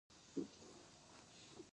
کبان د زګونو په واسطه تنفس کوي